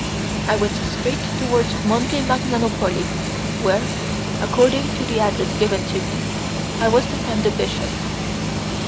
I went straight towards Monte Magnanopoli, where, according to the address given to me, I was to find the bishop.